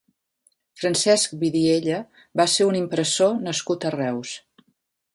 Francesc Vidiella va ser un impressor nascut a Reus.